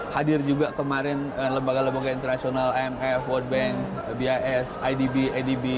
hadir juga kemarin lembaga lembaga internasional imf world bank bis idb adb